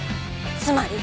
つまり？